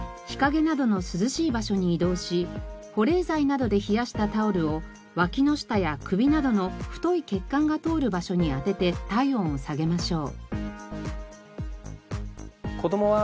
保冷剤などで冷やしたタオルを脇の下や首などの太い血管が通る場所に当てて体温を下げましょう。